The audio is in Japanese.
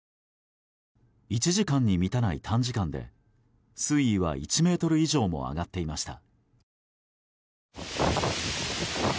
１時間に満たない短時間で水位は１ｍ以上も上がっていました。